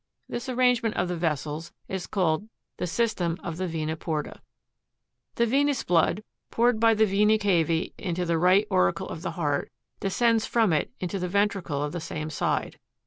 This arrangement of the vessels is called the system of the vena porta. 35. The venous blood, poured by the vence cava? into the right auricle of the heart, descends from it into the ventricle of the same side.